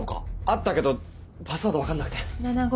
あったけどパスワード分かんなくて。